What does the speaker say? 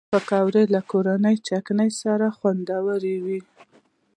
پکورې له کورني چټن سره خوندورې وي